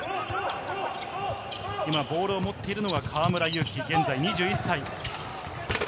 今ボールを持っているのが河村勇輝、現在２１歳。